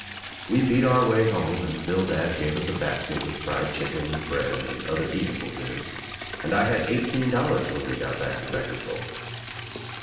We beat our way home and Bildad gave us a basket with fried chicken and bread and other eatables in, and I had eighteen dollars when we got back to Beckersville.